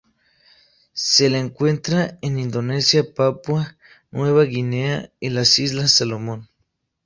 Se la encuentra en Indonesia, Papua Nueva Guinea, y las islas Salomón.